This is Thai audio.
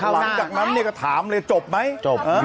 หลังจากนั้นก็ถามเลยจบไหม